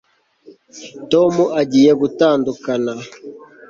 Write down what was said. tom agiye gutandukana